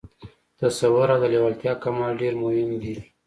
تصور او د لېوالتیا کمال ډېر مهم دي